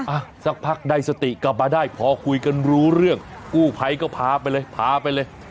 อ่ะสักพักได้สติกลับมาได้พอคุยกันรู้เรื่องกู้ภัยก็พาไปเลยพาไปเลย